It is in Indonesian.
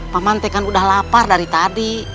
paman tuh kan udah lapar dari tadi